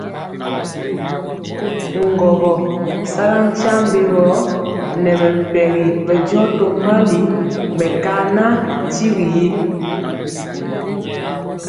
Ŋgɔɔgɔ sala tyiambe gɔ nɛ mɛmpegi bɛndiɔ tomali mɛkana tyigui y.